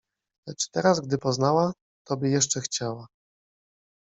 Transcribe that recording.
Lecz teraz gdy poznała, to by jeszcze chciała